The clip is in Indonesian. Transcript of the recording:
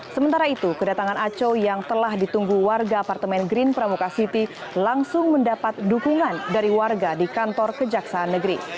sementara itu kedatangan aco yang telah ditunggu warga apartemen green pramuka city langsung mendapat dukungan dari warga di kantor kejaksaan negeri